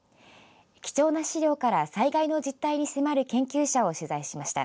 貴重な資料から災害の実態に迫る研究者を取材しました。